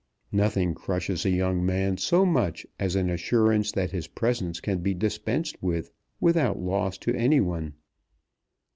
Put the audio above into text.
Nothing crushes a young man so much as an assurance that his presence can be dispensed with without loss to any one.